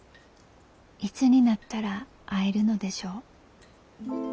いつになったら会えるのでしょう。